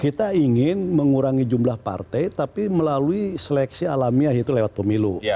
kita ingin mengurangi jumlah partai tapi melalui seleksi alamiah itu lewat pemilu